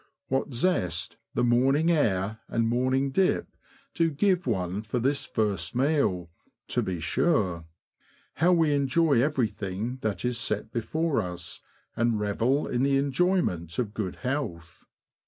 What zest the morning air and morning dip do give one for this first meal, to be sure ! How we enjoy everything that is set before us, and revel in the enjoyment of good health